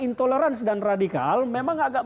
intoleransi dan radikal memang agak